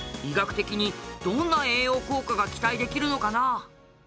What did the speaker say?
医学的にどんな栄養効果が期待できるのかなあ？